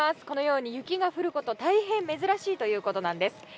このように雪が降ること大変珍しいということなんです。